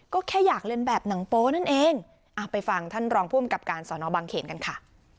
ก็แค่อยากเรียนแบบหนังโป๊นั่นเองไปฟังท่านรองผู้อำกับการสอนอบังเขนกันค่ะ